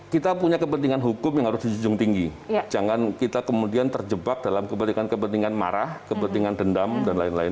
kita punya kepentingan hukum yang harus dijunjung tinggi jangan kita kemudian terjebak dalam kepentingan kepentingan marah kepentingan dendam dan lain lain